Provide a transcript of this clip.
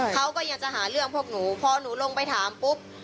เขาก็ยังจะหาเรื่องพวกหนูพอหนูลงไปถามปุ๊บ